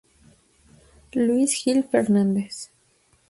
Luis Gil Fernández